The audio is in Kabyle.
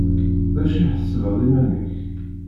D acu i tḥesbeḍ iman-ik?